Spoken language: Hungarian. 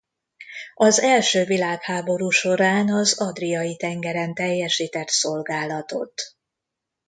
Az első világháború során az Adriai-tengeren teljesített szolgálatot.